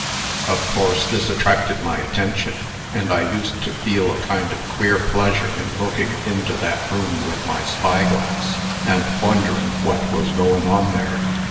Of course, this attracted my attention, and I used to feel a queer kind of pleasure in looking into the room with my spyglass, and wonderin' what was goin' on there.